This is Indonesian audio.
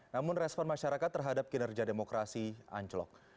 namun respon masyarakat terhadap kinerja demokrasi anjlok